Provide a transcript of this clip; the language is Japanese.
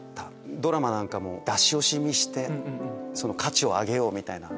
ドラマなんかも出し惜しみして価値を上げようみたいな。